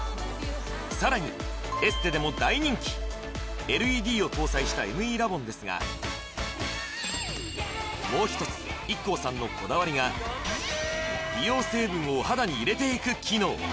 さらにエステでも大人気ＬＥＤを搭載したＭＥラボンですがもう一つＩＫＫＯさんのこだわりが美容成分をお肌に入れていく機能